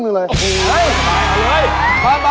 จับข้าว